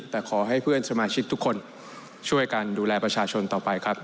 แต่ขอให้เพื่อนสมาชิกทุกคนช่วยกันดูแลประชาชนต่อไปครับ